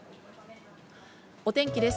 お天気です。